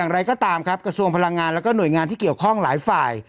อย่างไรก็ตามครับกระทรวงพลังงานแล้วก็หน่วยงานที่เกี่ยวข้องหลายฝ่าย